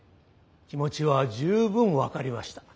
気持ちは十分分かりました。